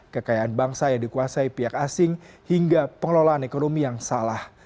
kekayaan bangsa yang dikuasai pihak asing hingga pengelolaan ekonomi yang salah